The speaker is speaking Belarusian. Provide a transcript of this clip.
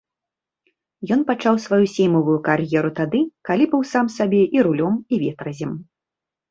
Ён пачаў сваю сеймавую кар'еру тады, калі быў сам сабе і рулём, і ветразем.